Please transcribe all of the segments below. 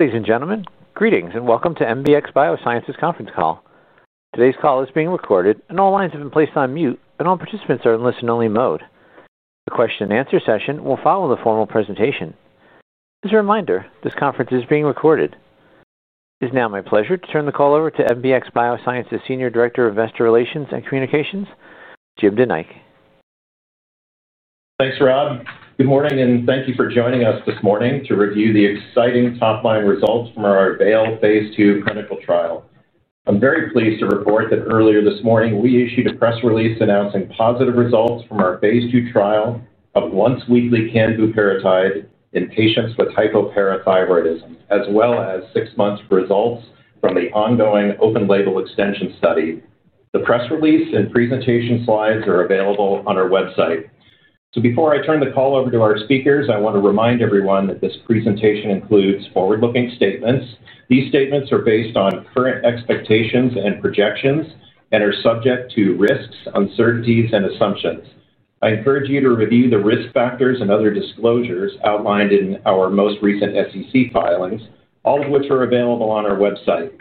Ladies and gentlemen, greetings and welcome to MBX Biosciences conference call. Today's call is being recorded, and all lines have been placed on mute, and all participants are in listen-only mode. The question and answer session will follow the formal presentation. As a reminder, this conference is being recorded. It is now my pleasure to turn the call over to MBX Biosciences Senior Director of Investor Relations and Communications, Jim Deneen. Thanks, Rod. Good morning, and thank you for joining us this morning to review the exciting top-line results from our AVAIL Phase II clinical trial. I'm very pleased to report that earlier this morning we issued a press release announcing positive results from our Phase II trial of once-weekly candiparatide in patients with hypoparathyroidism, as well as six months' results from the ongoing open-label extension study. The press release and presentation slides are available on our website. Before I turn the call over to our speakers, I want to remind everyone that this presentation includes forward-looking statements. These statements are based on current expectations and projections and are subject to risks, uncertainties, and assumptions. I encourage you to review the risk factors and other disclosures outlined in our most recent SEC filings, all of which are available on our website.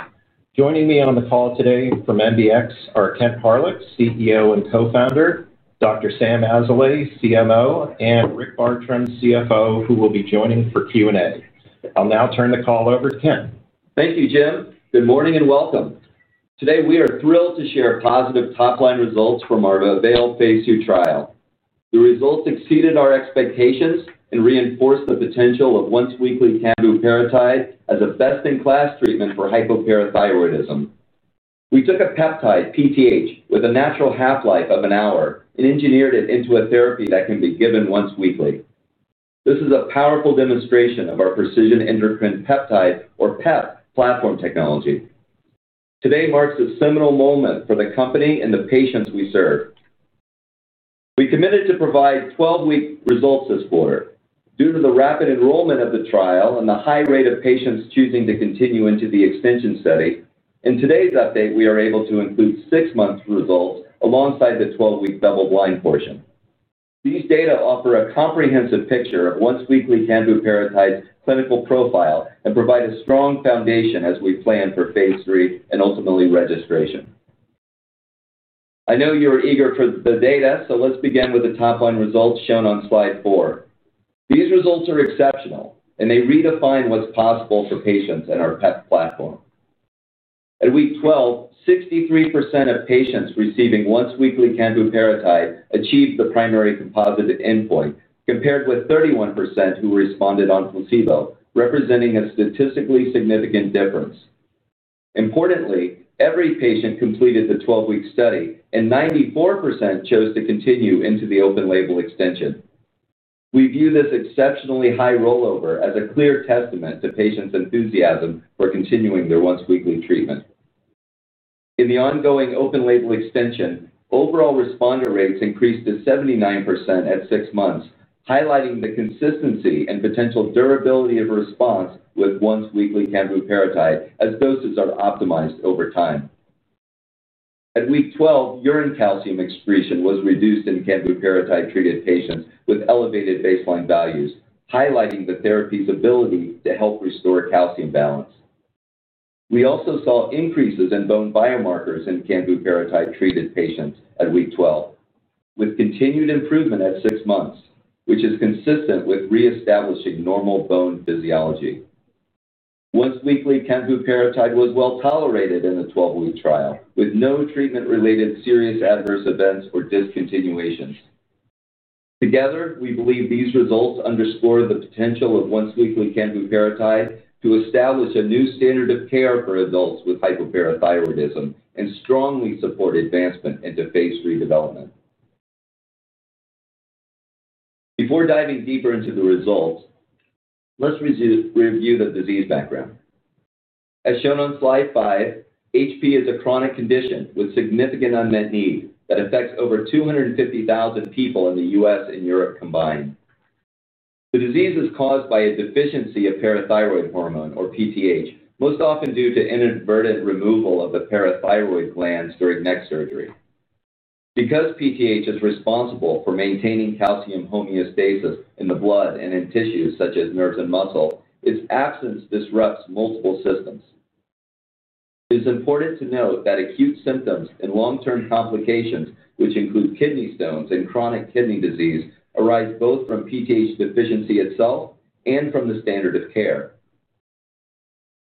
Joining me on the call today from MBX Biosciences are Kent Hawryluk, CEO and co-founder, Dr. Sam Azoulay, CMO, and Rick Bartren, CFO, who will be joining for Q&A. I'll now turn the call over to Kent. Thank you, Jim. Good morning and welcome. Today we are thrilled to share positive top-line results from our AVAIL Phase II trial. The results exceeded our expectations and reinforced the potential of once-weekly candiparatide as a best-in-class treatment for hypoparathyroidism. We took a peptide, PTH, with a natural half-life of an hour and engineered it into a therapy that can be given once weekly. This is a powerful demonstration of our precision endocrine peptide, or PEP platform technology. Today marks a seminal moment for the company and the patients we serve. We committed to provide 12-week results this quarter. Due to the rapid enrollment of the trial and the high rate of patients choosing to continue into the extension study, in today's update we are able to include six months' results alongside the 12-week double-blind portion. These data offer a comprehensive picture of once-weekly candiparatide's clinical profile and provide a strong foundation as we plan for Phase III and ultimately registration. I know you're eager for the data, so let's begin with the top-line results shown on slide 4. These results are exceptional, and they redefine what's possible for patients in our PEP platform. At week 12, 63% of patients receiving once-weekly candiparatide achieved the primary composite endpoint, compared with 31% who responded on placebo, representing a statistically significant difference. Importantly, every patient completed the 12-week study, and 94% chose to continue into the open-label extension. We view this exceptionally high rollover as a clear testament to patients' enthusiasm for continuing their once-weekly treatment. In the ongoing open-label extension, overall responder rates increased to 79% at six months, highlighting the consistency and potential durability of response with once-weekly candiparatide as doses are optimized over time. At week 12, urine calcium excretion was reduced in candiparatide-treated patients with elevated baseline values, highlighting the therapy's ability to help restore calcium balance. We also saw increases in bone biomarkers in candiparatide-treated patients at week 12, with continued improvement at six months, which is consistent with reestablishing normal bone physiology. Once-weekly candiparatide was well tolerated in the 12-week trial, with no treatment-related serious adverse events or discontinuations. Together, we believe these results underscore the potential of once-weekly candiparatide to establish a new standard of care for adults with hypoparathyroidism and strongly support advancement into Phase III development. Before diving deeper into the results, let's review the disease background. As shown on slide 5, HP is a chronic condition with significant unmet needs that affects over 250,000 people in the U.S. and EU combined. The disease is caused by a deficiency of parathyroid hormone, or PTH, most often due to inadvertent removal of the parathyroid glands during neck surgery. Because PTH is responsible for maintaining calcium homeostasis in the blood and in tissues such as nerves and muscles, its absence disrupts multiple systems. It is important to note that acute symptoms and long-term complications, which include kidney stones and chronic kidney disease, arise both from PTH deficiency itself and from the standard of care.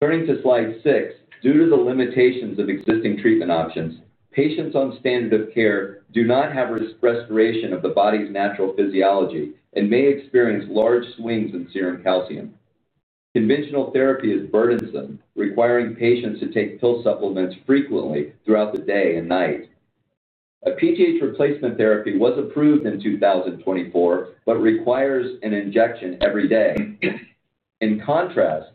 Turning to slide 6, due to the limitations of existing treatment options, patients on standard of care do not have restoration of the body's natural physiology and may experience large swings in serum calcium. Conventional therapy is burdensome, requiring patients to take pill supplements frequently throughout the day and night. A PTH replacement therapy was approved in 2024 but requires an injection every day. In contrast,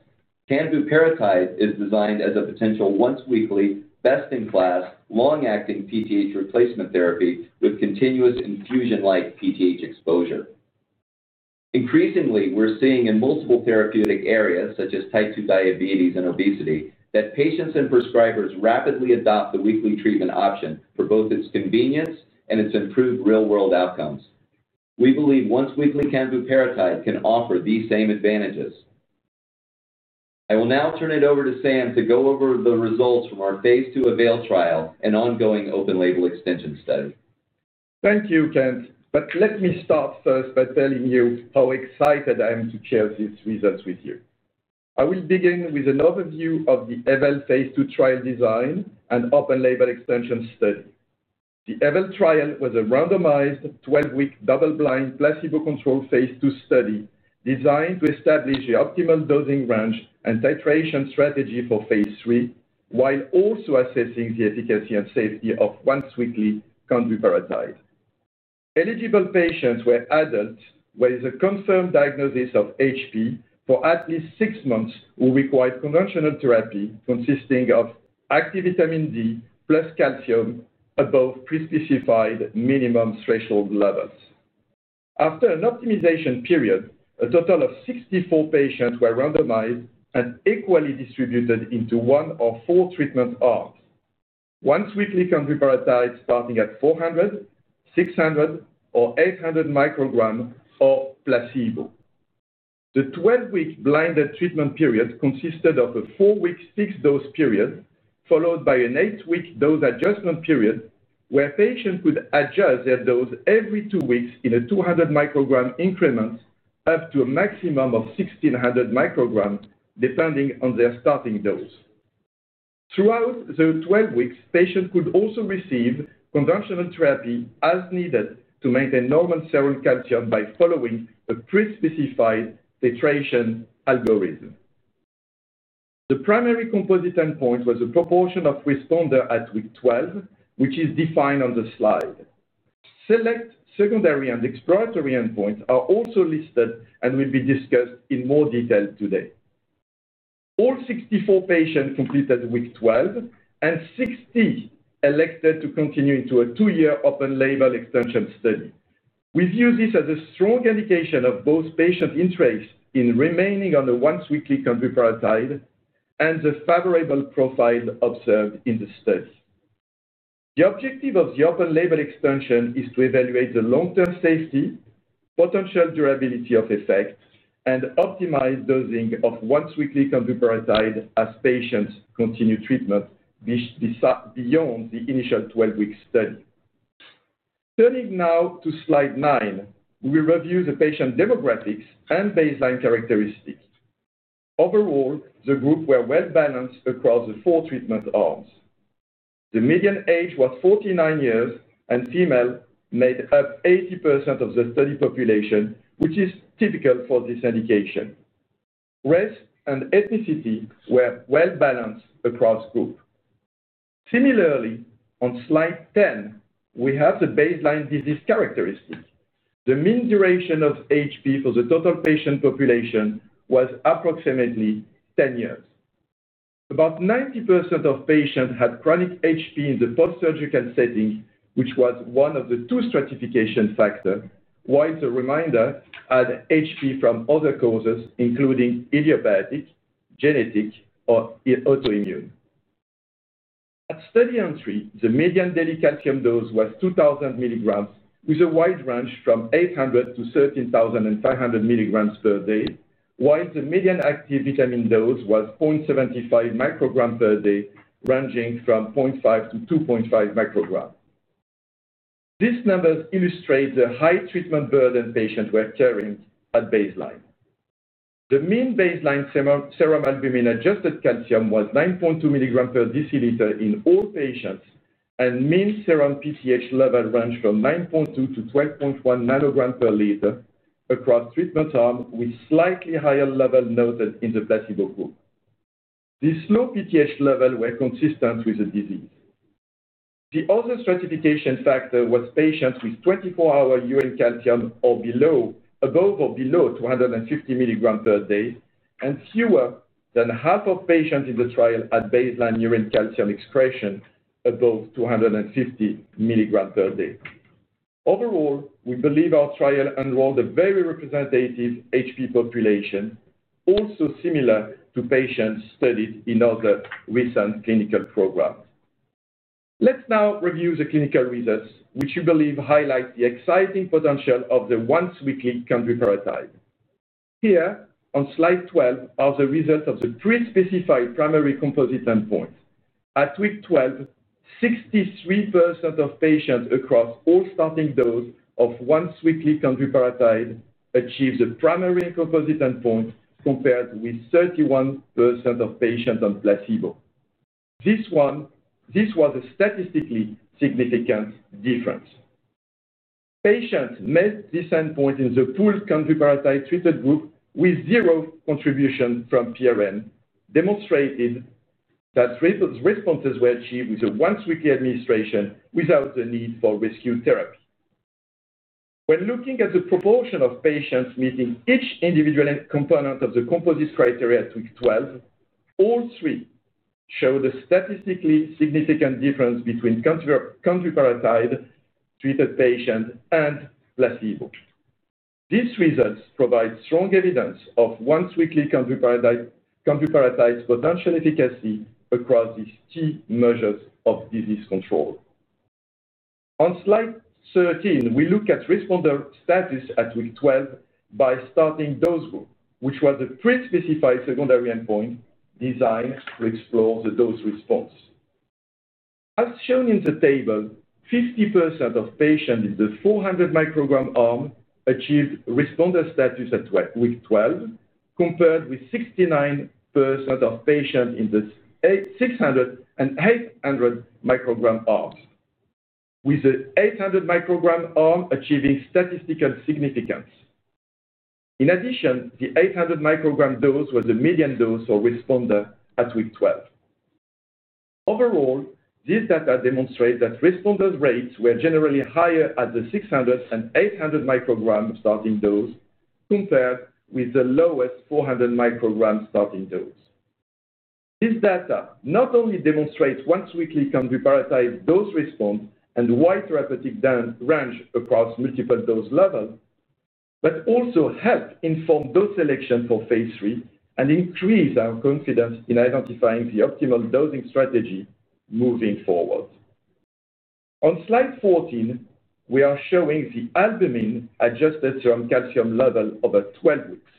candiparatide is designed as a potential once-weekly, best-in-class, long-acting PTH replacement therapy with continuous infusion-like PTH exposure. Increasingly, we're seeing in multiple therapeutic areas, such as type 2 diabetes and obesity, that patients and prescribers rapidly adopt the weekly treatment option for both its convenience and its improved real-world outcomes. We believe once-weekly candiparatide can offer these same advantages. I will now turn it over to Sam to go over the results from our Phase II AVAIL trial and ongoing open-label extension study. Thank you, Kent. Let me start first by telling you how excited I am to share these results with you. I will begin with an overview of the AVAIL Phase II trial design and open-label extension study. The AVAIL trial was a randomized, 12-week, double-blind, placebo-controlled Phase II study designed to establish the optimal dosing range and titration strategy for Phase III while also assessing the efficacy and safety of once-weekly candiparatide. Eligible patients were adults with a confirmed diagnosis of HP for at least six months, who required conventional therapy consisting of activated vitamin D plus calcium above pre-specified minimum threshold levels. After an optimization period, a total of 64 patients were randomized and equally distributed into one of four treatment arms, once-weekly candiparatide starting at 400, 600, or 800 micrograms or placebo. The 12-week blinded treatment period consisted of a four-week fixed dose period followed by an eight-week dose adjustment period where patients could adjust their dose every two weeks in a 200-microgram increment up to a maximum of 1,600 micrograms depending on their starting dose. Throughout the 12 weeks, patients could also receive conventional therapy as needed to maintain normal serum calcium by following a pre-specified titration algorithm. The primary composite endpoint was a proportion of responders at week 12, which is defined on the slide. Select secondary and exploratory endpoints are also listed and will be discussed in more detail today. All 64 patients completed week 12 and 60 elected to continue into a two-year open-label extension study. We view this as a strong indication of both patient interest in remaining on the once-weekly candiparatide and the favorable profile observed in the study. The objective of the open-label extension is to evaluate the long-term safety, potential durability of effect, and optimize dosing of once-weekly candiparatide as patients continue treatment beyond the initial 12-week study. Turning now to slide 9, we review the patient demographics and baseline characteristics. Overall, the groups were well-balanced across the four treatment arms. The median age was 49 years, and females made up 80% of the study population, which is typical for this indication. Race and ethnicity were well-balanced across groups. Similarly, on slide 10, we have the baseline disease characteristics. The mean duration of HP for the total patient population was approximately 10 years. About 90% of patients had chronic HP in the post-surgical setting, which was one of the two stratification factors, while the remainder had HP from other causes, including idiopathic, genetic, or autoimmune. At study entry, the median daily calcium dose was 2,000 milligrams, with a wide range from 800 to 13,500 milligrams per day, while the median active vitamin dose was 0.75 micrograms per day, ranging from 0.5 to 2.5 micrograms. These numbers illustrate the high treatment burden patients were carrying at baseline. The mean baseline serum albumin-adjusted calcium was 9.2 milligrams per deciliter in all patients, and mean serum PTH level ranged from 9.2 to 12.1 nanograms per liter across treatment arms, with slightly higher levels noted in the placebo group. These low PTH levels were consistent with the disease. The other stratification factor was patients with 24-hour urine calcium above or below 250 milligrams per day, and fewer than half of patients in the trial had baseline urine calcium excretion above 250 milligrams per day. Overall, we believe our trial enrolled a very representative HP population, also similar to patients studied in other recent clinical programs. Let's now review the clinical results, which we believe highlight the exciting potential of the once-weekly candiparatide. Here, on slide 12, are the results of the pre-specified primary composite endpoint. At week 12, 63% of patients across all starting doses of once-weekly candiparatide achieved the primary composite endpoint compared with 31% of patients on placebo. This was a statistically significant difference. Patients met this endpoint in the pooled candiparatide treatment group with zero contribution from PRN, demonstrating that response rates were achieved with the once-weekly administration without the need for rescue therapy. When looking at the proportion of patients meeting each individual component of the composite criteria at week 12, all three showed a statistically significant difference between candiparatide-treated patients and placebo. These results provide strong evidence of once-weekly candiparatide's potential efficacy across these key measures of disease control. On slide 13, we look at responder status at week 12 by starting dose group, which was a pre-specified secondary endpoint designed to explore the dose response. As shown in the table, 50% of patients in the 400-microgram arm achieved responder status at week 12, compared with 69% of patients in the 600 and 800-microgram arms, with the 800-microgram arm achieving statistical significance. In addition, the 800-microgram dose was the median dose for responder at week 12. Overall, these data demonstrate that responder rates were generally higher at the 600 and 800-microgram starting dose compared with the lowest 400-microgram starting dose. This data not only demonstrates once-weekly candiparatide dose response and a wide therapeutic band range across multiple dose levels, but also helps inform dose selection for Phase III and increases our confidence in identifying the optimal dosing strategy moving forward. On slide 14, we are showing the albumin-adjusted serum calcium level over 12 weeks.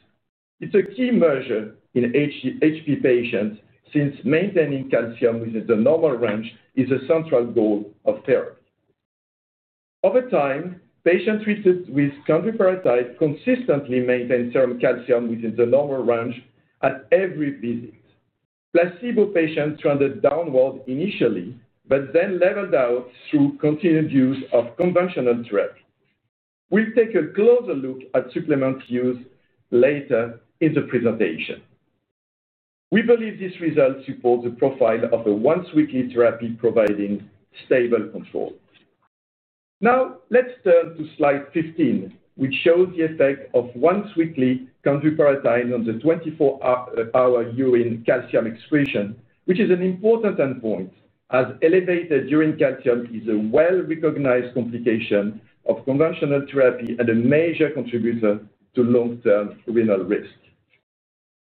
It's a key measure in HP patients since maintaining calcium within the normal range is a central goal of therapy. Over time, patients treated with candiparatide consistently maintained serum calcium within the normal range at every visit. Placebo patients trended downward initially, but then leveled out through continued use of conventional therapy. We'll take a closer look at supplement use later in the presentation. We believe these results support the profile of the once-weekly therapy providing stable control. Now, let's turn to slide 15, which shows the effect of once-weekly candiparatide on the 24-hour urine calcium excretion, which is an important endpoint, as elevated urine calcium is a well-recognized complication of conventional therapy and a major contributor to long-term renal risk.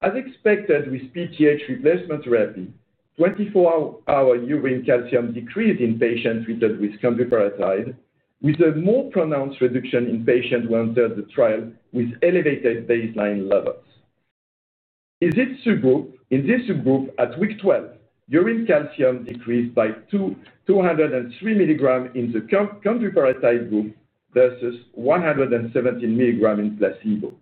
As expected with PTH replacement therapy, 24-hour urine calcium decreased in patients treated with candiparatide, with a more pronounced reduction in patients who entered the trial with elevated baseline levels. In this subgroup, at week 12, urine calcium decreased by 203 milligrams in the candiparatide group versus 117 milligrams in placebo.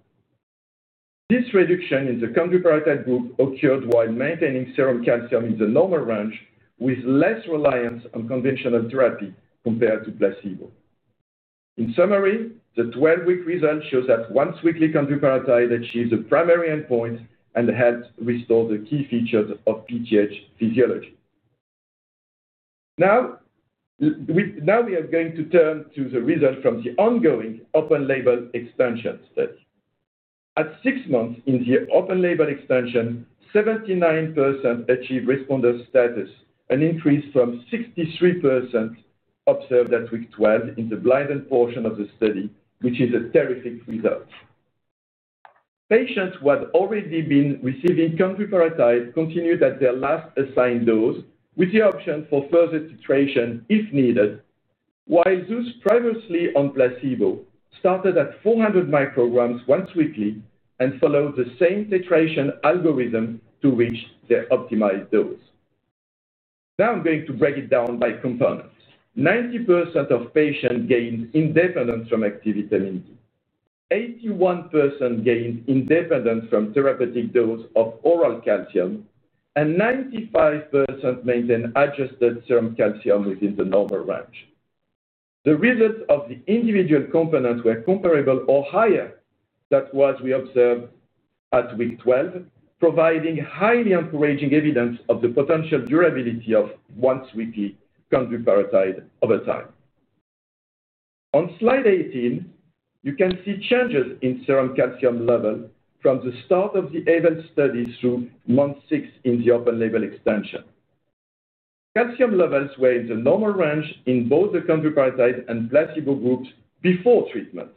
This reduction in the candiparatide group occurred while maintaining serum calcium in the normal range, with less reliance on conventional therapy compared to placebo. In summary, the 12-week result shows that once-weekly candiparatide achieves a primary endpoint and helps restore the key features of PTH physiology. Now, we are going to turn to the result from the ongoing open-label extension study. At six months in the open-label extension, 79% achieved responder status, an increase from 63% observed at week 12 in the blinded portion of the study, which is a terrific result. Patients who had already been receiving candiparatide continued at their last assigned dose, with the option for further titration if needed, while those previously on placebo started at 400 micrograms once weekly and followed the same titration algorithm to reach their optimized dose. Now, I'm going to break it down by component. 90% of patients gained independence from active vitamin D, 81% gained independence from therapeutic doses of oral calcium, and 95% maintained adjusted serum calcium within the normal range. The results of the individual components were comparable or higher than what we observed at week 12, providing highly encouraging evidence of the potential durability of once-weekly candiparatide over time. On slide 18, you can see changes in serum calcium levels from the start of the AVAIL Phase II clinical trial through month six in the open-label extension. Calcium levels were in the normal range in both the candiparatide and placebo groups before treatment.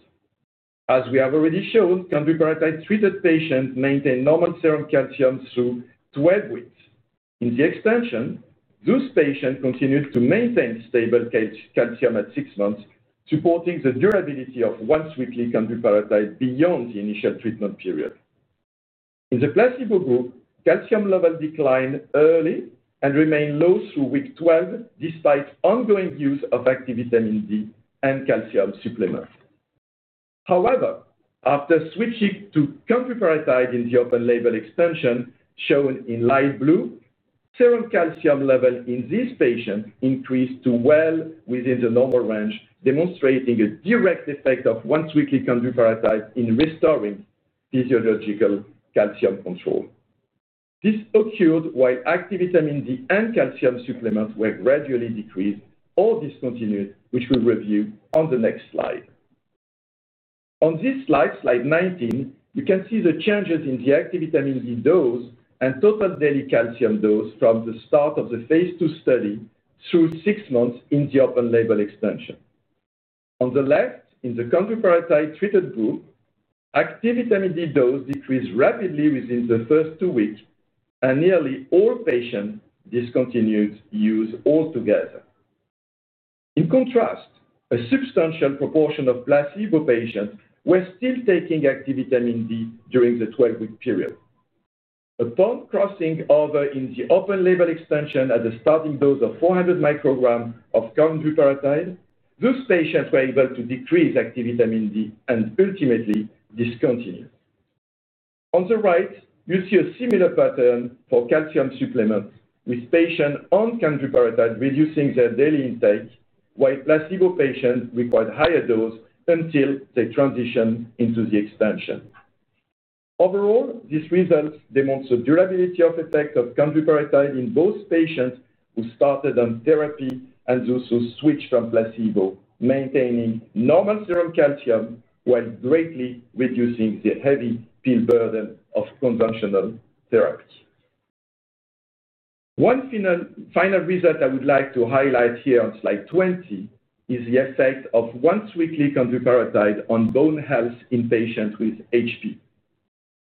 As we have already shown, candiparatide-treated patients maintained normal serum calcium through 12 weeks. In the extension, those patients continued to maintain stable calcium at six months, supporting the durability of once-weekly candiparatide beyond the initial treatment period. In the placebo group, calcium levels declined early and remained low through week 12, despite ongoing use of active vitamin D and calcium supplements. However, after switching to candiparatide in the open-label extension, shown in light blue, serum calcium levels in these patients increased to well within the normal range, demonstrating a direct effect of once-weekly candiparatide in restoring physiological calcium control. This occurred while active vitamin D and calcium supplements were gradually decreased or discontinued, which we'll review on the next slide. On this slide, slide 19, you can see the changes in the active vitamin D dose and total daily calcium dose from the start of the Phase II study through six months in the open-label extension. On the left, in the candiparatide-treated group, active vitamin D dose decreased rapidly within the first two weeks, and nearly all patients discontinued use altogether. In contrast, a substantial proportion of placebo patients were still taking active vitamin D during the 12-week period. Upon crossing over in the open-label extension at the starting dose of 400 micrograms of candiparatide, those patients were able to decrease active vitamin D and ultimately discontinue. On the right, you see a similar pattern for calcium supplements, with patients on candiparatide reducing their daily intake, while placebo patients required a higher dose until they transitioned into the extension. Overall, this result demonstrates the durability of effect of candiparatide in both patients who started on therapy and those who switched from placebo, maintaining normal serum calcium while greatly reducing the heavy pill burden of conventional therapy. One final result I would like to highlight here on slide 20 is the effect of once-weekly candiparatide on bone health in patients with HP.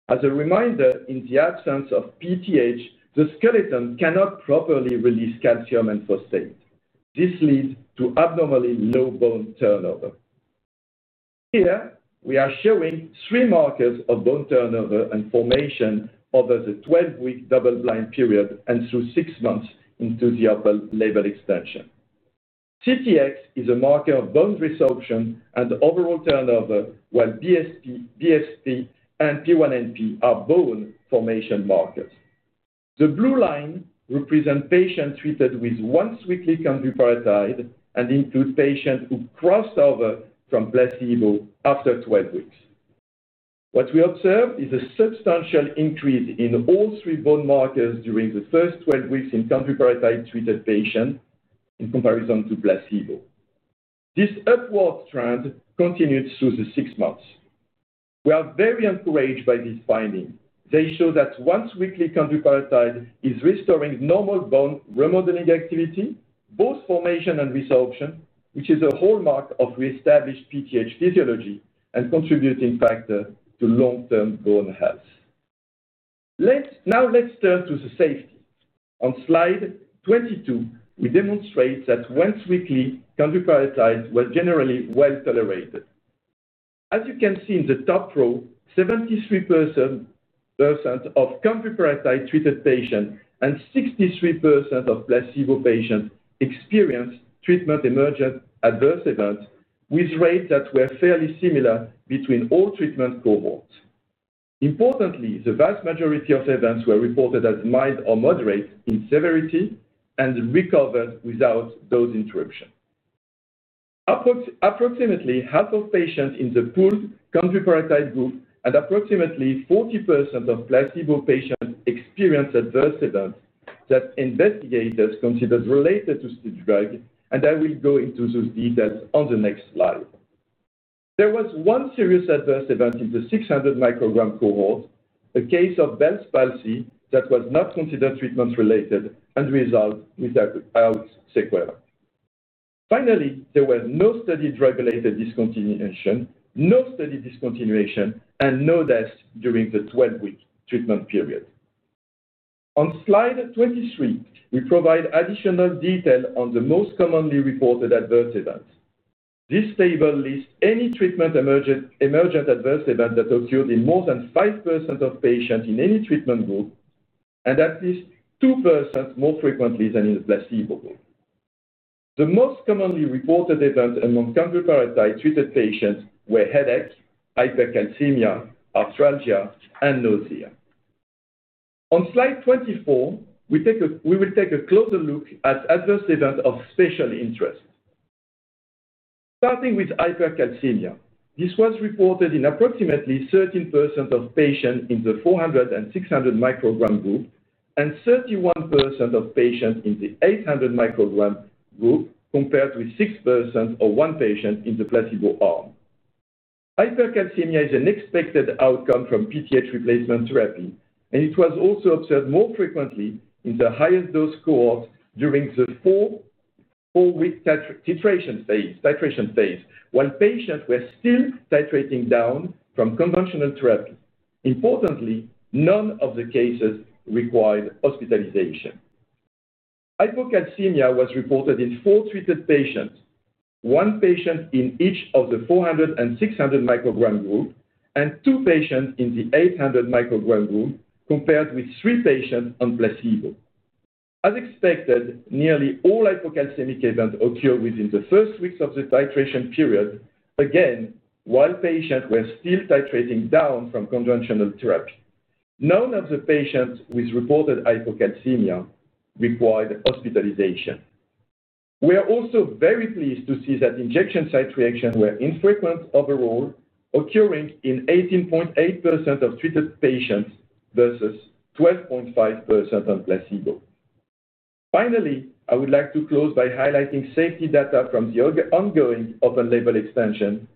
As a reminder, in the absence of PTH, the skeleton cannot properly release calcium and phosphate. This leads to abnormally low bone turnover. Here, we are showing three markers of bone turnover and formation over the 12-week double-blind period and through six months into the open-label extension. TTX is a marker of bone resorption and overall turnover, while BSP, BFP, and P1NP are bone formation markers. The blue line represents patients treated with once-weekly candiparatide and includes patients who crossed over from placebo after 12 weeks. What we observed is a substantial increase in all three bone markers during the first 12 weeks in candiparatide-treated patients in comparison to placebo. This upward trend continued through the six months. We are very encouraged by this finding. They show that once-weekly candiparatide is restoring normal bone remodeling activity, both formation and resorption, which is a hallmark of reestablished PTH physiology and a contributing factor to long-term bone health. Now, let's turn to the safety. On slide 22, we demonstrate that once-weekly candiparatide was generally well tolerated. As you can see in the top row, 73% of candiparatide-treated patients and 63% of placebo patients experienced treatment-emergent adverse events, with rates that were fairly similar between all treatment cohorts. Importantly, the vast majority of events were reported as mild or moderate in severity and recovered without dose interruption. Approximately half of patients in the pooled candiparatide group and approximately 40% of placebo patients experienced adverse events that investigators considered related to the drug, and I will go into those details on the next slide. There was one serious adverse event in the 600-microgram cohort, a case of Bell's palsy that was not considered treatment-related and resolved without sequelae. Finally, there was no study drug-related discontinuation, no study discontinuation, and no deaths during the 12-week treatment period. On slide 23, we provide additional detail on the most commonly reported adverse events. This table lists any treatment-emergent adverse event that occurred in more than 5% of patients in any treatment group and at least 2% more frequently than in the placebo group. The most commonly reported events among candiparatide-treated patients were headaches, hypercalcemia, arthralgia, and nausea. On slide 24, we will take a closer look at adverse events of special interest. Starting with hypercalcemia, this was reported in approximately 13% of patients in the 400 and 600-microgram group and 31% of patients in the 800-microgram group, compared with 6% or one patient in the placebo arm. Hypercalcemia is an expected outcome from PTH replacement therapy, and it was also observed more frequently in the highest dose cohorts during the four-week titration phase when patients were still titrating down from conventional therapy. Importantly, none of the cases required hospitalization. Hypocalcemia was reported in four treated patients, one patient in each of the 400 and 600-microgram group and two patients in the 800-microgram group, compared with three patients on placebo. As expected, nearly all hypocalcemic events occurred within the first weeks of the titration period, again, while patients were still titrating down from conventional therapy. None of the patients with reported hypocalcemia required hospitalization. We are also very pleased to see that injection site reactions were infrequent overall, occurring in 18.8% of treated patients versus 12.5% on placebo. Finally, I would like to close by highlighting safety data from the ongoing open-label extension,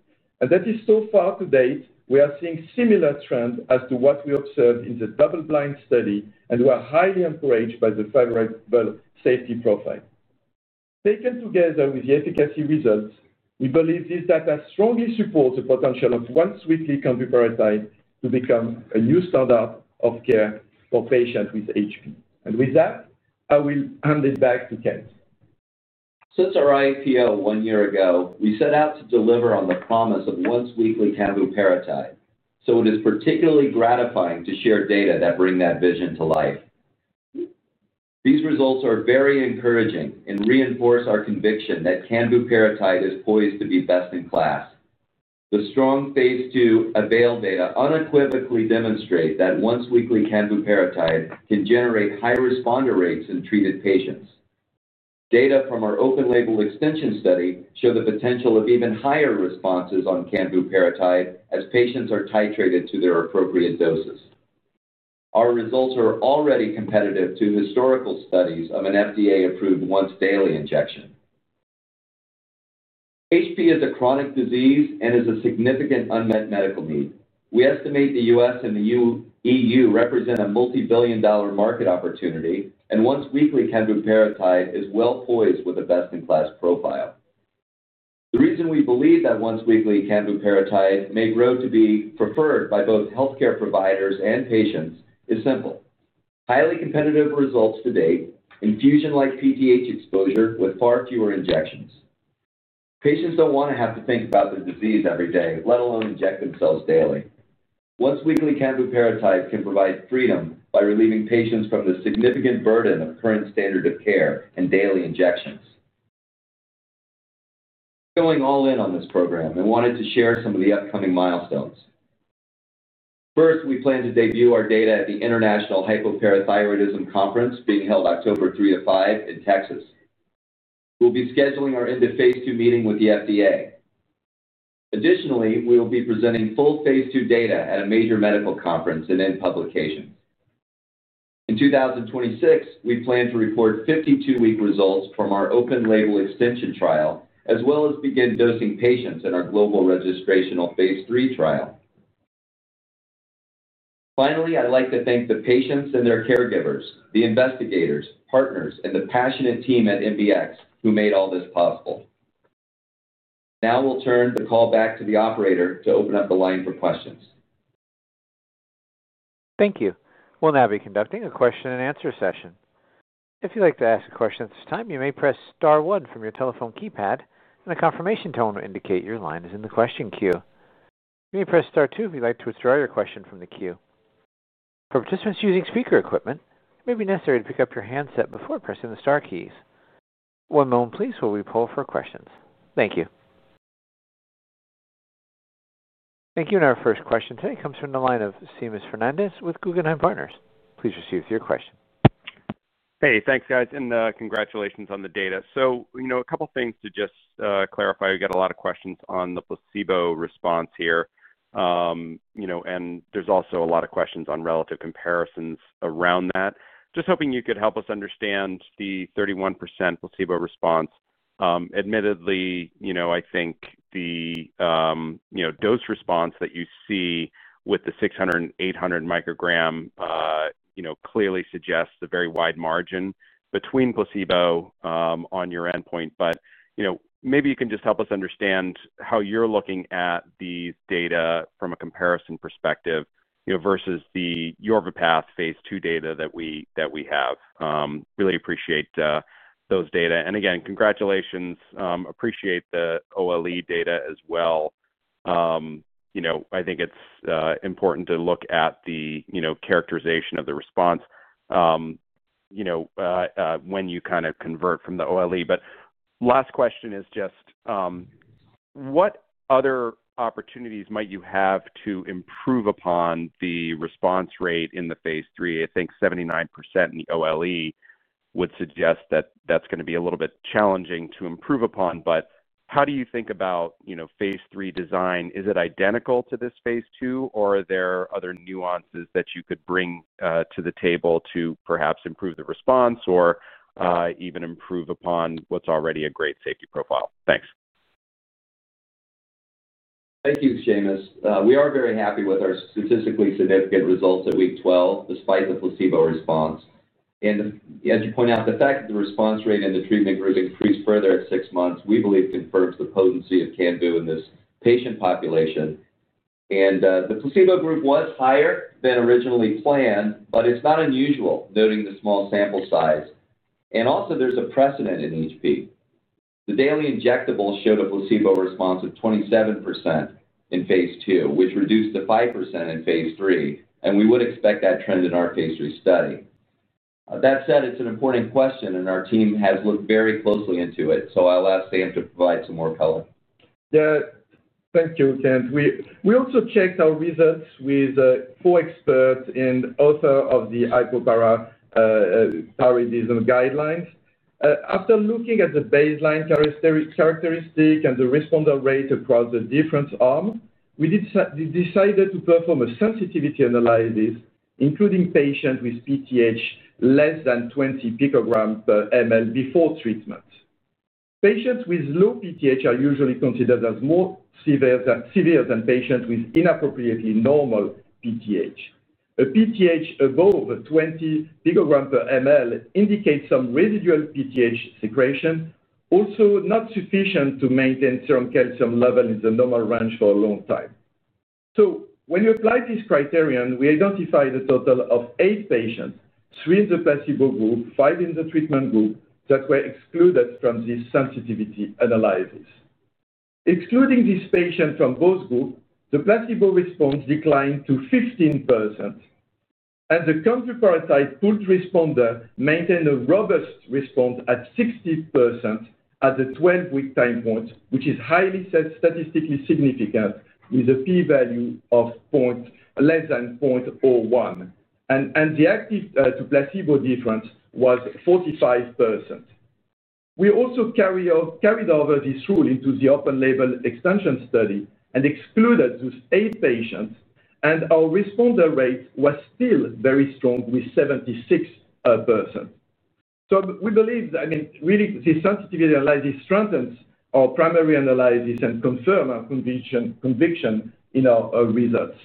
and that is so far to date, we are seeing a similar trend as to what we observed in the double-blind study and are highly encouraged by the favorable safety profile. Taken together with the efficacy results, we believe these data strongly support the potential of once-weekly candiparatide to become a new standard of care for patients with HP. With that, I will hand it back to Kent. Since our IPO one year ago, we set out to deliver on the promise of once-weekly candiparatide, so it is particularly gratifying to share data that bring that vision to life. These results are very encouraging and reinforce our conviction that candiparatide is poised to be best-in-class. The strong AVAIL Phase II data unequivocally demonstrate that once-weekly candiparatide can generate high responder rates in treated patients. Data from our open-label extension study show the potential of even higher responses on candiparatide as patients are titrated to their appropriate doses. Our results are already competitive to historical studies of an FDA-approved once-daily injection. Hypoparathyroidism is a chronic disease and is a significant unmet medical need. We estimate the U.S. and the EU represent a multibillion-dollar market opportunity, and once-weekly candiparatide is well poised with a best-in-class profile. The reason we believe that once-weekly candiparatide may grow to be preferred by both healthcare providers and patients is simple. Highly competitive results to date, infusion-like PTH exposure with far fewer injections. Patients don't want to have to think about the disease every day, let alone inject themselves daily. Once-weekly candiparatide can provide freedom by relieving patients from the significant burden of current standard of care and daily injections. Going all in on this program, I wanted to share some of the upcoming milestones. First, we plan to debut our data at the International Hypoparathyroidism Conference being held October 3 to 5 in Texas. We'll be scheduling our end-of-Phase II meeting with the FDA. Additionally, we will be presenting full Phase II data at a major medical conference and in publication. In 2026, we plan to report 52-week results from our open-label extension trial, as well as begin dosing patients at our global Phase III registration trial. Finally, I'd like to thank the patients and their caregivers, the investigators, partners, and the passionate team at MBX Biosciences who made all this possible. Now, we'll turn the call back to the operator to open up the line for questions. Thank you. We'll now be conducting a question and answer session. If you'd like to ask a question at this time, you may press star one from your telephone keypad, and a confirmation tone will indicate your line is in the question queue. You may press star two if you'd like to withdraw your question from the queue. For participants using speaker equipment, it may be necessary to pick up your handset before pressing the star keys. One moment, please, while we pull for questions. Thank you. Thank you, and our first question today comes from the line of Seamus Fernandez with Guggenheim Partners. Please proceed with your question. Hey, thanks, guys, and congratulations on the data. A couple of things to just clarify. We get a lot of questions on the placebo response here, and there's also a lot of questions on relative comparisons around that. Just hoping you could help us understand the 31% placebo response. Admittedly, I think the dose response that you see with the 600 and 800 microgram clearly suggests a very wide margin between placebo on your endpoint. Maybe you can just help us understand how you're looking at these data from a comparison perspective versus the YORVApath Phase II data that we have. Really appreciate those data. Again, congratulations. Appreciate the OLE data as well. I think it's important to look at the characterization of the response when you kind of convert from the OLE. Last question is just, what other opportunities might you have to improve upon the response rate in the Phase III? I think 79% in the OLE would suggest that that's going to be a little bit challenging to improve upon. How do you think about Phase III design? Is it identical to this Phase II, or are there other nuances that you could bring to the table to perhaps improve the response or even improve upon what's already a great safety profile? Thanks. Thank you, Seamus. We are very happy with our statistically significant results at week 12, despite the placebo response. As you point out, the fact that the response rate in the treatment group increased further at six months, we believe, confirms the potency of candiparatide in this patient population. The placebo group was higher than originally planned, but it's not unusual, noting the small sample size. There is also a precedent in hypoparathyroidism. The daily injectable showed a placebo response of 27% in Phase II, which reduced to 5% in Phase III, and we would expect that trend in our Phase III study. That said, it's an important question, and our team has looked very closely into it. I'll ask Dr. Sam Azoulay to provide some more color. Yeah, thank you, Kent. We also checked our results with four experts and authors of the hypoparathyroidism guidelines. After looking at the baseline characteristics and the responder rates across the different arms, we decided to perform a sensitivity analysis, including patients with PTH less than 20 pg/mL before treatment. Patients with low PTH are usually considered as more severe than patients with inappropriately normal PTH. A PTH above 20 pg/mL indicates some residual PTH secretion, also not sufficient to maintain serum calcium levels in the normal range for a long time. When you apply this criterion, we identified a total of eight patients, three in the placebo group, five in the treatment group, that were excluded from this sensitivity analysis. Excluding these patients from both groups, the placebo response declined to 15%, and the candiparatide-pooled responder maintained a robust response at 60% at the 12-week time point, which is highly statistically significant, with a p-value of less than 0.01. The active-to-placebo difference was 45%. We also carried over this rule into the open-label extension study and excluded those eight patients, and our responder rate was still very strong, with 76%. We believe that, I mean, really, this sensitivity analysis strengthens our primary analysis and confirms our conviction in our results.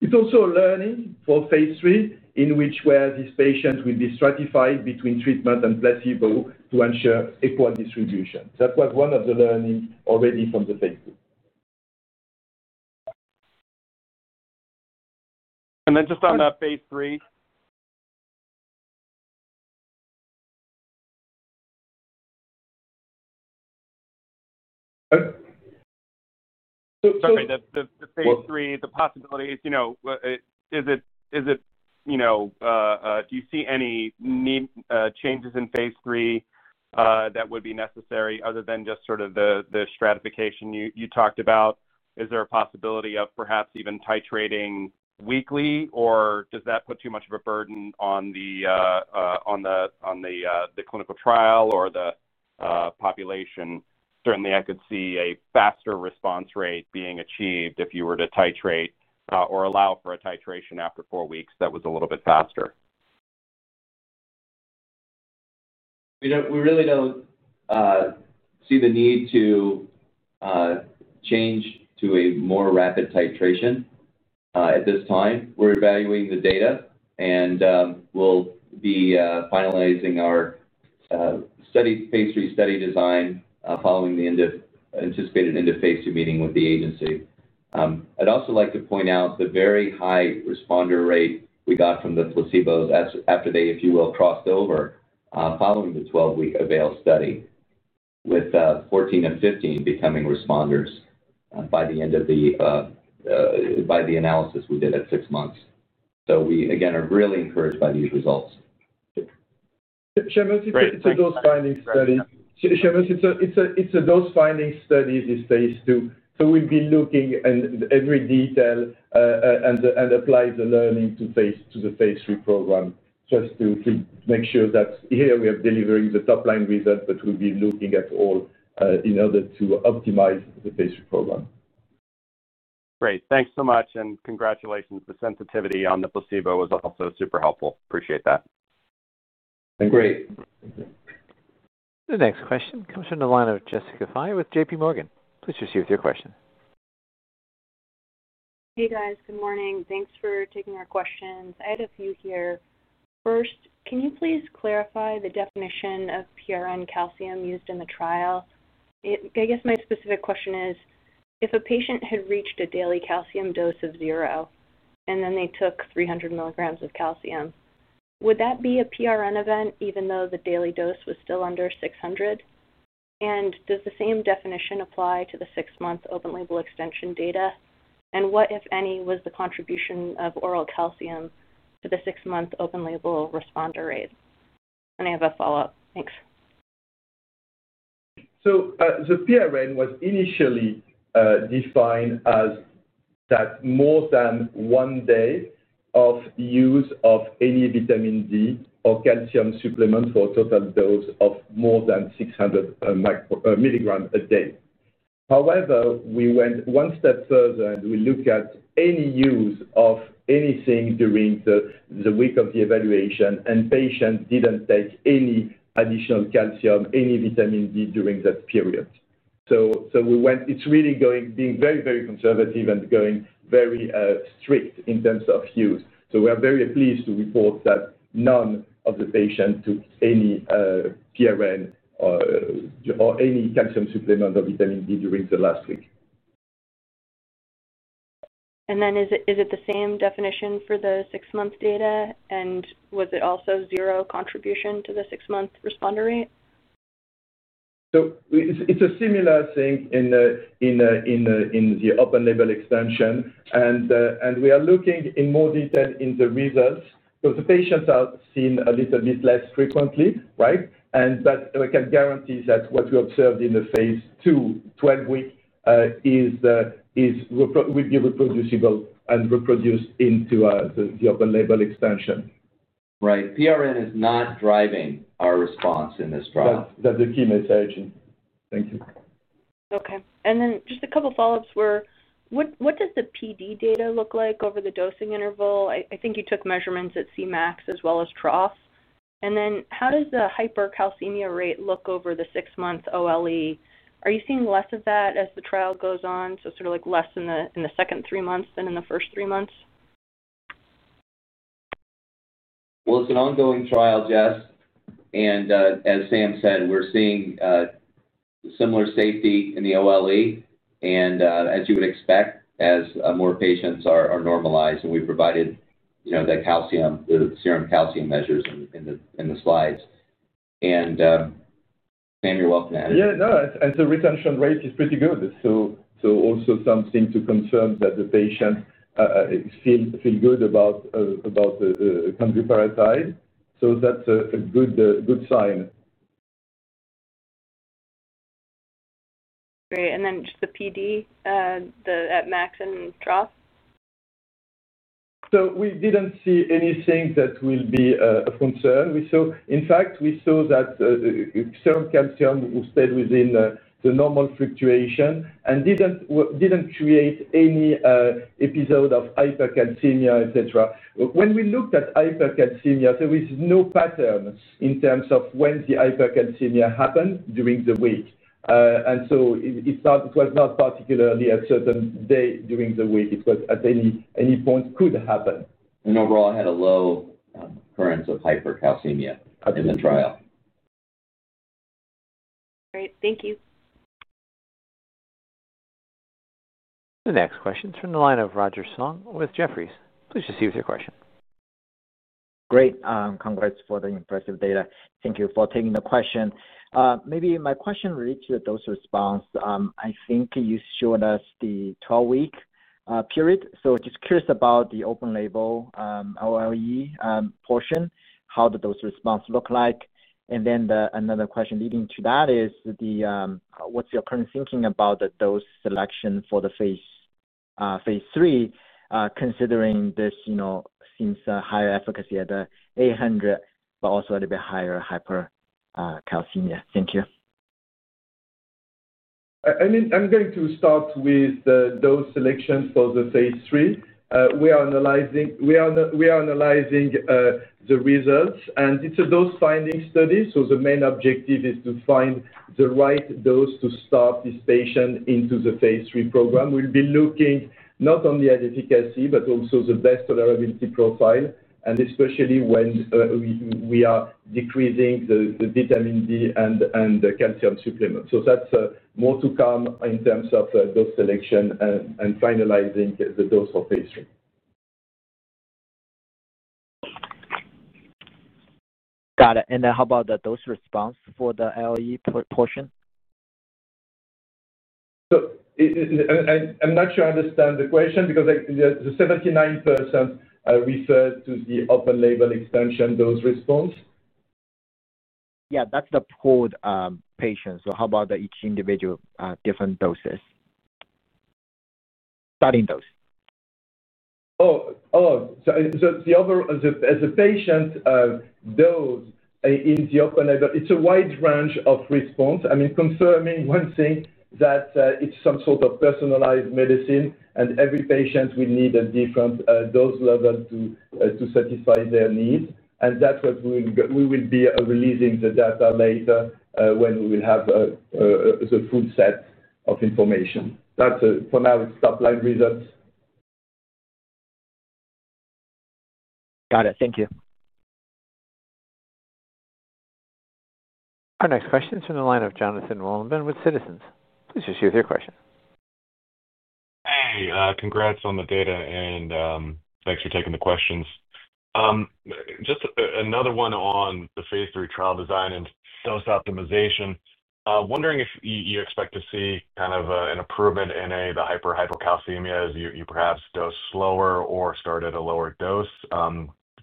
It's also a learning for Phase III, in which these patients will be stratified between treatment and placebo to ensure equal distribution. That was one of the learnings already from the Phase II. Just on that Phase III. Oh. The Phase III, the possibilities, you know, is it, you know, do you see any need changes in Phase III that would be necessary other than just sort of the stratification you talked about? Is there a possibility of perhaps even titrating weekly, or does that put too much of a burden on the clinical trial or the population? Certainly, I could see a faster response rate being achieved if you were to titrate or allow for a titration after four weeks that was a little bit faster. We really don't see the need to change to a more rapid titration at this time. We're evaluating the data, and we'll be finalizing our Phase III study design following the anticipated end-of-Phase II meeting with the agency. I'd also like to point out the very high responder rate we got from the placebos after they, if you will, crossed over following the 12-week AVAIL Phase II clinical trial, with 14 and 15 becoming responders by the end of the analysis we did at six months. We are really encouraged by these results. Seamus, it's a dose finding study. This Phase II, so we'll be looking at every detail and apply the learning to the Phase III program just to make sure that here we are delivering the top-line result, but we'll be looking at all in order to optimize the Phase III program. Great. Thanks so much, and congratulations. The sensitivity on the placebo was also super helpful. Appreciate that. And great. The next question comes from the line of Jessica Fye with JPMorgan. Please proceed with your question. Hey, guys. Good morning. Thanks for taking our questions. I had a few here. First, can you please clarify the definition of PRN calcium used in the trial? My specific question is, if a patient had reached a daily calcium dose of zero and then they took 300 milligrams of calcium, would that be a PRN event even though the daily dose was still under 600? Does the same definition apply to the six-month open-label extension data? What, if any, was the contribution of oral calcium to the six-month open-label responder rate? I have a follow-up. Thanks. The PRN was initially defined as more than one day of use of any vitamin D or calcium supplement for a total dose of more than 600 milligrams a day. However, we went one step further and looked at any use of anything during the week of the evaluation, and patients didn't take any additional calcium or any vitamin D during that period. We went, it's really being very, very conservative and going very strict in terms of use. We are very pleased to report that none of the patients took any PRN or any calcium supplement or vitamin D during the last week. Is it the same definition for the six-month data, and was it also zero contribution to the six-month responder rate? It's a similar thing in the open-label extension, and we are looking in more detail in the results because the patients are seen a little bit less frequently, right? We can guarantee that what we observed in the Phase II, 12-week, will be reproducible and reproduced into the open-label extension. Right. PRN is not driving our response in this trial. That's the key message. Thank you. Okay. Just a couple of follow-ups were, what does the PD data look like over the dosing interval? I think you took measurements at Cmax as well as troughs. How does the hypercalcemia rate look over the six-month OLE? Are you seeing less of that as the trial goes on, like less in the second three months than in the first three months? It is an ongoing trial, Jess. As Dr. Sam Azoulay said, we're seeing similar safety in the open-label extension, and as you would expect, as more patients are normalized and we provided the calcium, the serum calcium measures are in the slides. Sam, you're welcome, man. Yeah, the retention rate is pretty good. Also, something to confirm that the patients feel good about candiparatide. That's a good sign. Great. The PD at max and trough? We didn't see anything that will be of concern. In fact, we saw that serum calcium stayed within the normal fluctuation and didn't create any episode of hypercalcemia, etc. When we looked at hypercalcemia, there was no pattern in terms of when the hypercalcemia happened during the week. It was not particularly a certain day during the week. It was at any point, could happen. Overall, I had a low occurrence of hypercalcemia in the trial. Great. Thank you. The next question is from the line of Roger Song with Jefferies. Please proceed with your question. Great. Congrats for the impressive data. Thank you for taking the question. Maybe my question relates to the dose response. I think you showed us the 12-week period. Just curious about the open-label extension portion, how the dose response looked like. Another question leading to that is, what's your current thinking about the dose selection for the Phase III, considering this, you know, since the higher efficacy at the 800, but also a little bit higher hypercalcemia? Thank you. I'm going to start with the dose selection for the Phase III. We are analyzing the results, and it's a dose finding study. The main objective is to find the right dose to start this patient into the Phase III program. We'll be looking not only at efficacy, but also the best tolerability profile, especially when we are decreasing the vitamin D and the calcium supplement. There's more to come in terms of dose selection and finalizing the dose for Phase III. Got it. How about the dose response for the LE portion? I'm not sure I understand the question because the 79% referred to the open-label extension dose response. That's the pooled patients. How about each individual different doses? Starting dose. As a patient, though, in the open-label, it's a wide range of response. Confirming one thing, that it's some sort of personalized medicine, and every patient will need a different dose level to satisfy their needs. That's what we will be releasing the data later when we will have the full set of information. For now, it's top-line results. Got it. Thank you. Our next question is from the line of Jonathan Wallenburn with Citizens. Please proceed with your question. Hey, congrats on the data, and thanks for taking the questions. Just another one on the Phase III trial design and dose optimization. Wondering if you expect to see kind of an improvement in the hyper-hypocalcemia as you perhaps dose slower or start at a lower dose,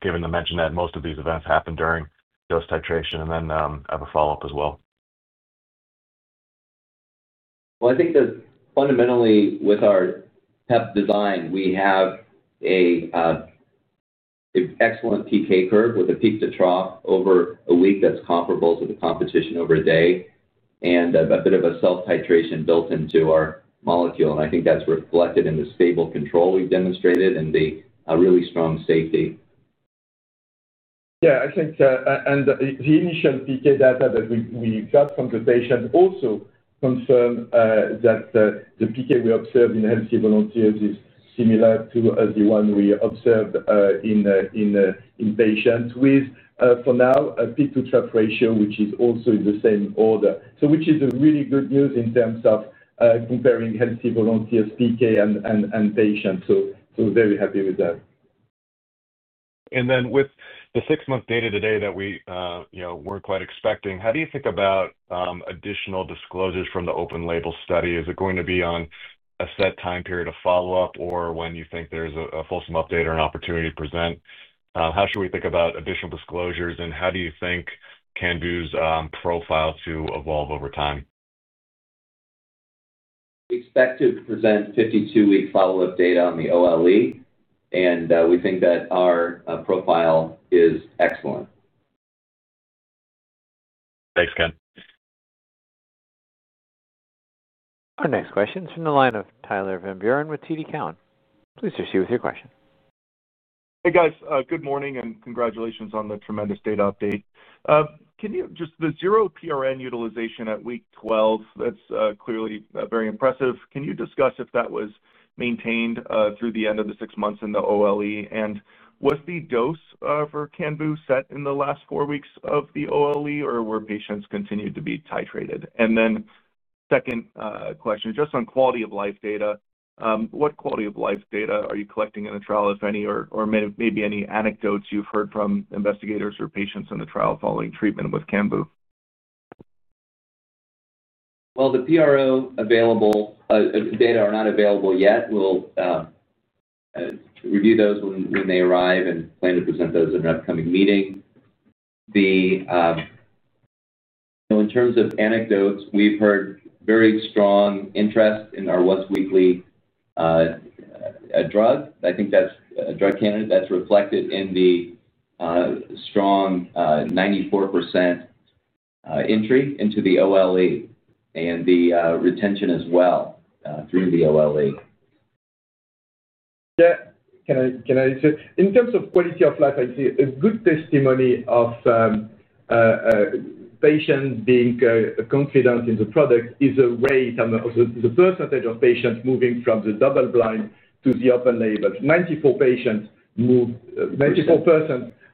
given the mention that most of these events happen during dose titration. I have a follow-up as well. I think that fundamentally with our PEP platform design, we have an excellent TK curve with a peak to trough over a week that's comparable to the competition over a day, and a bit of a self-titration built into our molecule. I think that's reflected in the stable control we've demonstrated and the really strong safety. I think the initial PK data that we got from the patient also confirmed that the PK we observed in healthy volunteers is similar to the one we observed in patients, for now, a peak to trough ratio, which is also in the same order. This is really good news in terms of comparing healthy volunteers' PK and patients. Very happy with that. With the six-month data today that we, you know, weren't quite expecting, how do you think about additional disclosures from the open-label study? Is it going to be on a set time period of follow-up, or when you think there's a fulsome update or an opportunity to present? How should we think about additional disclosures, and how do you think candiparatide's profile will evolve over time? Expect to present 52-week follow-up data on the open-label extension, and we think that our profile is excellent. Thanks, Ken. Our next question is from the line of Tyler Van Buren with TD Cowen. Please proceed with your question. Hey, guys. Good morning, and congratulations on the tremendous data update. Can you just, the zero PRN utilization at week 12, that's clearly very impressive. Can you discuss if that was maintained through the end of the six months in the open-label extension? Was the dose for candiparatide set in the last four weeks of the open-label extension, or were patients continued to be titrated? Second question, just on quality-of-life data, what quality-of-life data are you collecting in the trial, if any, or maybe any anecdotes you've heard from investigators or patients in the trial following treatment with candiparatide? The PRN available data are not available yet. We'll review those when they arrive and plan to present those at an upcoming meeting. In terms of anecdotes, we've heard very strong interest in our once-weekly drug. I think that's a drug candidate that's reflected in the strong 94% entry into the OLE and the retention as well through the OLE. Yeah, can I answer? In terms of quality of life, I'm seeing a good testimony of patients being confident in the product is a raise, the % of patients moving from the double-blind to the open-label. 94%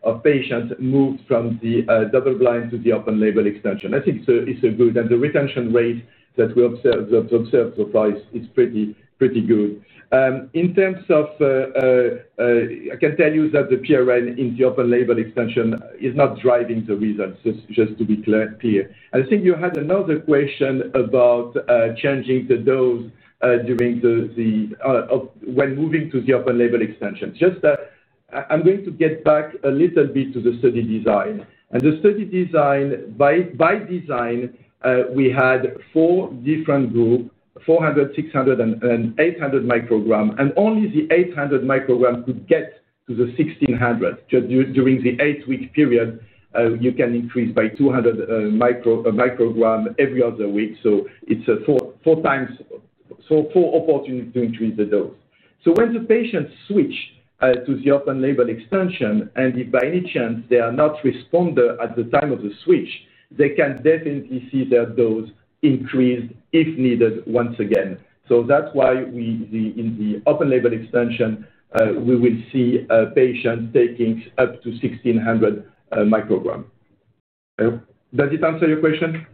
of patients moved from the double-blind to the open-label extension. I think it's good, and the retention rate that we observed for PIF is pretty good. In terms of, I can tell you that the PRN in the open-label extension is not driving the result, just to be clear. I think you had another question about changing the dose when moving to the open-label extension. I'm going to get back a little bit to the study design. In the study design, by design, we had four different groups: 400, 600, and 800 micrograms. Only the 800 micrograms could get to the 1,600. During the eight-week period, you can increase by 200 micrograms every other week. It's four opportunities to increase the dose. When the patients switch to the open-label extension, and if by any chance they are not responding at the time of the switch, they can definitely see their dose increased if needed once again. That's why in the open-label extension, we will see patients taking up to 1,600 micrograms. Does it answer your question?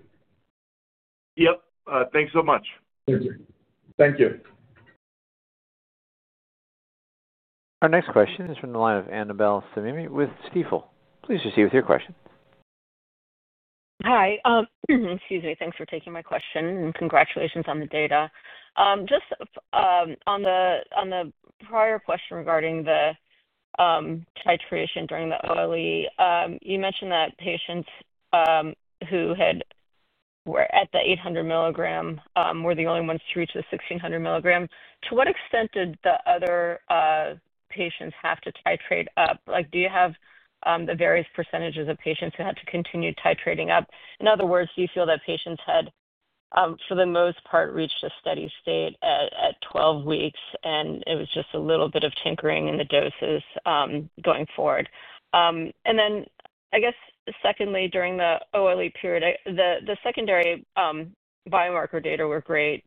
Yep, thanks so much. Thank you. Thank you. Our next question is from the line of Annabelle Simimi with Stephel. Please proceed with your question. Hi. Excuse me. Thanks for taking my question and congratulations on the data. Just on the prior question regarding the titration during the open-label extension, you mentioned that patients who were at the 800 microgram were the only ones to reach the 1,600 microgram. To what extent did the other patients have to titrate up? Do you have the various % of patients who had to continue titrating up? In other words, do you feel that patients had, for the most part, reached a steady state at 12 weeks, and it was just a little bit of tinkering in the doses going forward? I guess, secondly, during the open-label extension period, the secondary biomarker data were great.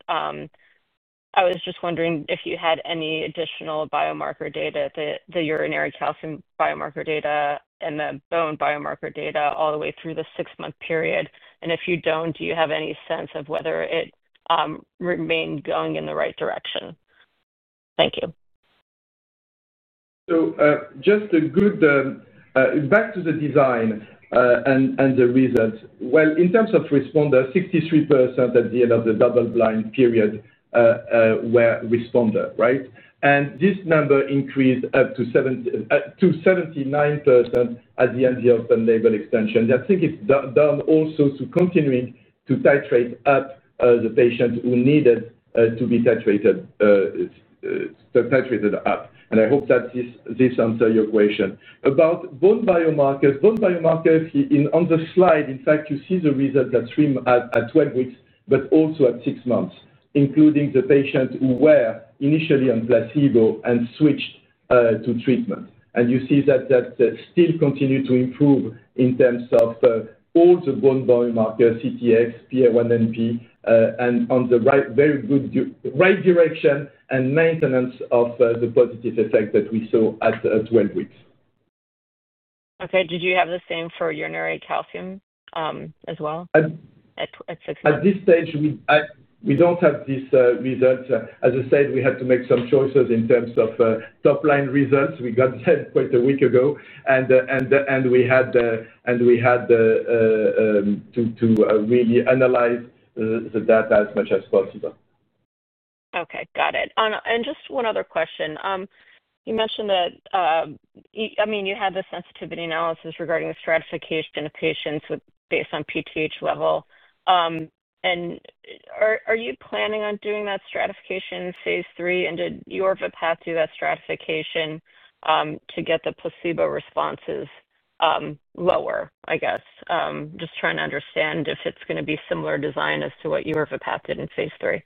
I was just wondering if you had any additional biomarker data, the urinary calcium biomarker data and the bone biomarker data, all the way through the six-month period. If you don't, do you have any sense of whether it remained going in the right direction? Thank you. To go back to the design and the result, in terms of responders, 63% at the end of the double-blind period were responders, right? This number increased up to 79% at the end of the open-label extension. I think it's down also to continuing to titrate up the patients who needed to be titrated up. I hope that this answers your question. About bone biomarkers, bone biomarkers on the slide, in fact, you see the result at 12 weeks, but also at six months, including the patients who were initially on placebo and switched to treatment. You see that that still continued to improve in terms of all the bone biomarkers, CTX, PA1NP, and on the right, very good right direction and maintenance of the positive effect that we saw at 12 weeks. Okay. Did you have the same for urine calcium as well at six months? At this stage, we don't have this result. As I said, we had to make some choices in terms of top-line results. We got them quite a week ago, and we had to really analyze the data as much as possible. Okay. Got it. Just one other question. You mentioned that you had the sensitivity analysis regarding the stratification of patients based on PTH level. Are you planning on doing that stratification in Phase III, and did YORVApath do that stratification to get the placebo responses lower? Just trying to understand if it's going to be similar design as to what YORVApath did in Phase III.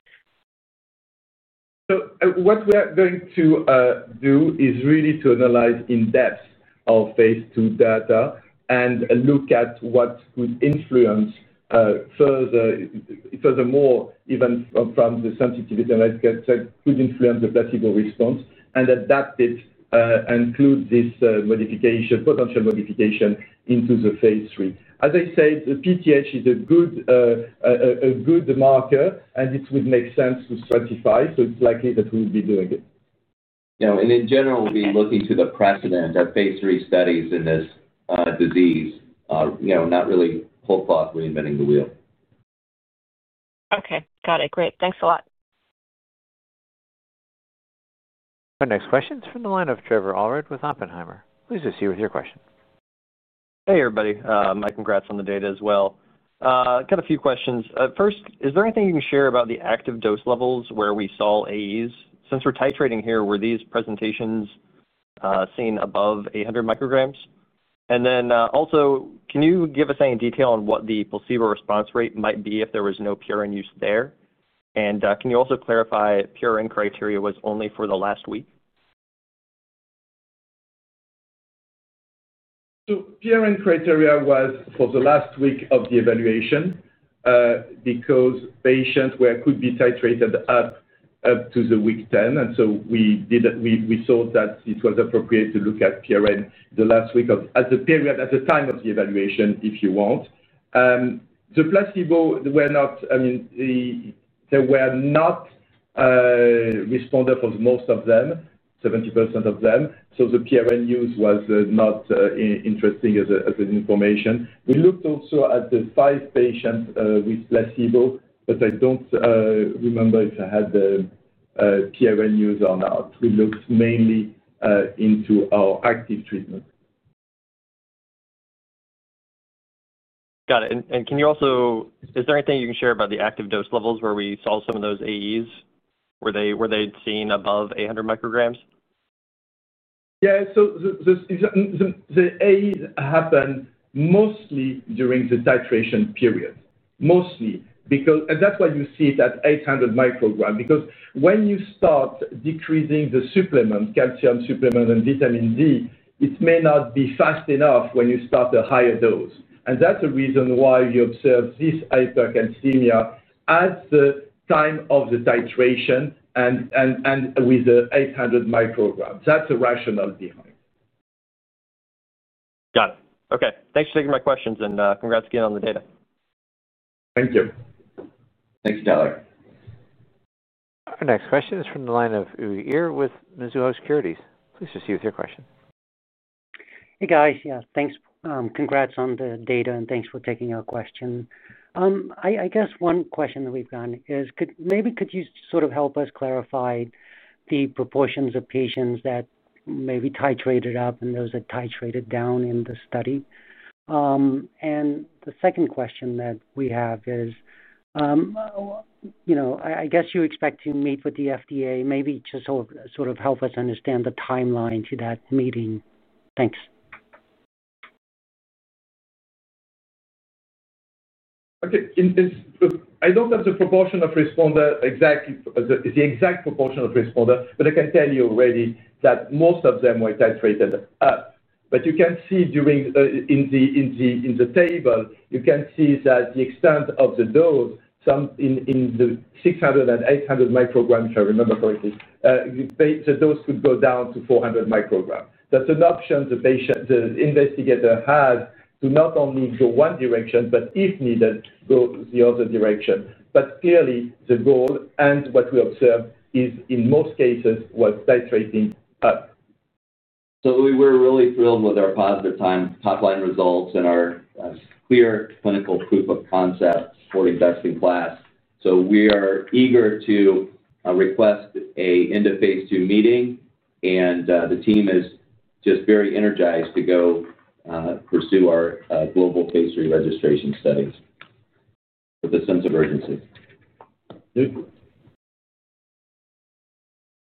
We are going to analyze in depth our Phase II data and look at what could influence furthermore, even from the sensitivity analysis that could influence the placebo response and adapt it and include this potential modification into the Phase III. As I said, the PTH is a good marker, and it would make sense to stratify. It's likely that we'll be doing it. In general, we'll be looking to the precedent of Phase III studies in this disease, not really thoughtfully inventing the wheel. Okay, got it. Great, thanks a lot. Our next question is from the line of Trevor Allred with Oppenheimer. Please proceed with your question. Hey, everybody. My congrats on the data as well. I've got a few questions. First, is there anything you can share about the active dose levels where we saw AEs? Since we're titrating here, were these presentations seen above 800 micrograms? Also, can you give us any detail on what the placebo response rate might be if there was no PRN use there? Can you also clarify PRN criteria was only for the last week? PRN criteria was for the last week of the evaluation because patients could be titrated up to week 10. We thought that it was appropriate to look at PRN the last week of the period at the time of the evaluation, if you want. The placebo were not, I mean, they were not responded for most of them, 70% of them. The PRN use was not interesting as an information. We looked also at the five patients with placebo, but I don't remember if I had the PRN use or not. We looked mainly into our active treatment. Got it. Is there anything you can share about the active dose levels where we saw some of those AEs? Were they seen above 800 micrograms? Yeah, the AEs happen mostly during the titration period, mostly because that's why you see it at 800 micrograms. When you start decreasing the calcium supplement and vitamin D, it may not be fast enough when you start a higher dose. That's the reason why we observed this hypercalcemia at the time of the titration and with the 800 micrograms. That's the rationale behind. Got it. Okay, thanks for taking my questions, and congrats again on the data. Thank you. Thanks, Tyler. Our next question is from the line of Uri Ear with Mizuho Securities. Please proceed with your question. Hey, guys. Yeah, thanks. Congrats on the data, and thanks for taking our question. I guess one question that we've gotten is, could you sort of help us clarify the proportions of patients that may be titrated up and those that titrated down in the study? The second question that we have is, you know, I guess you expect to meet with the FDA. Maybe just sort of help us understand the timeline to that meeting. Thanks. Okay. I don't know if the proportion of responders exactly is the exact proportion of responders, but I can tell you already that most of them were titrated up. You can see in the table, you can see that the extent of the dose, some in the 600 and 800 micrograms, if I remember correctly, the dose could go down to 400 micrograms. That's an option the investigator has to not only go one direction, if needed, go the other direction. Clearly, the goal and what we observed is, in most cases, we're titrating up. We were really thrilled with our positive top-line results and our clear clinical proof of concept for investing class. We are eager to request an end-of-Phase II meeting, and the team is just very energized to go pursue our global Phase III registration studies with a sense of urgency. Good.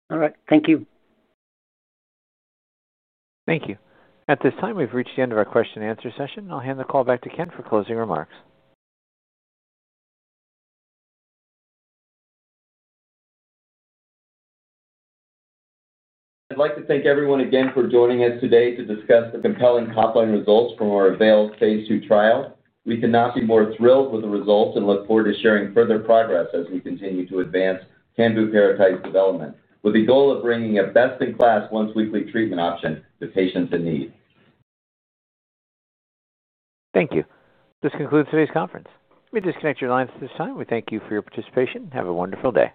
All right. Thank you. Thank you. At this time, we've reached the end of our question and answer session. I'll hand the call back to Kent for closing remarks. I'd like to thank everyone again for joining us today to discuss the compelling top-line results from our AVAIL Phase II trial. We cannot be more thrilled with the results and look forward to sharing further progress as we continue to advance candiparatide therapy development with the goal of bringing a best-in-class once-weekly treatment option to patients in need. Thank you. This concludes today's conference. We will disconnect your lines at this time. We thank you for your participation. Have a wonderful day.